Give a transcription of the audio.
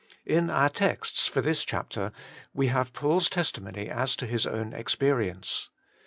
In our texts for this chapter we have Paul's testimony as to his own experience.